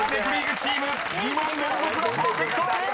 ［２問連続のパーフェクト！］